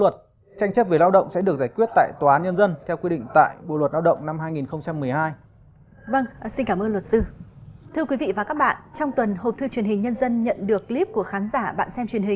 thưa quý vị và các bạn trong tuần hộp thư truyền hình nhân dân nhận được clip của khán giả bạn xem truyền hình